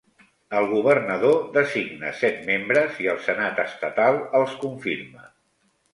El governador designa set membres i el senat estatal els confirma.